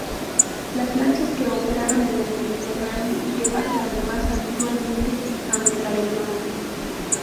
Las lanchas que operaron en el Mediterráneo llevaron además habitualmente ametralladoras.